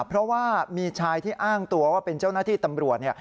เพราะว่ามีชายที่อ้างตัวว่าเป็นเจ้าหน้าที่ตำรวจ